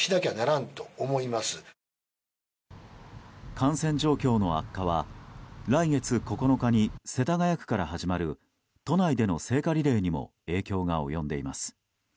感染状況の悪化は来月９日に世田谷区から始まる都内での聖火リレーにも影響が及んでいます。